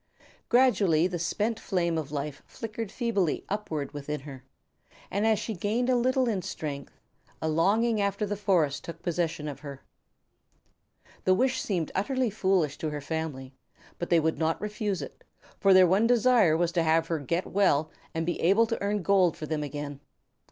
Gradually the spent flame of life flickered feebly upward within her, and as she gained a little in strength, a longing after the forest took possession of her. The wish seemed utterly foolish to her family, but they would not refuse it, for their one desire was to have her get well and able to earn gold for them again.